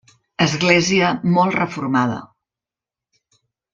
Església molt reformada.